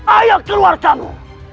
ayo keluar kamu